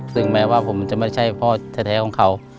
ซึ่งแม้ว่าผมจะไม่ใช่พ่อแท้ของเขา